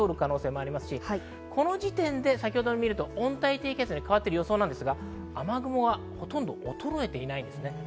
この時点で温帯低気圧に変わっている予想ですが、雨雲はほとんど衰えていないです。